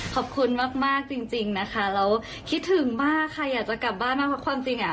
ขอบคุณมากจริงนะคะแล้วคิดถึงมากค่ะอยากจะกลับบ้านมากเพราะความจริงอ่ะ